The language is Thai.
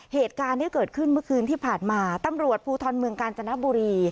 เหตุการณ์ที่เกิดขึ้นเมื่อคืนที่ผ่านมาตำรวจภูทรเมืองกาญจนบุรี